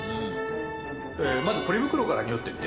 まずポリ袋からにおってみて。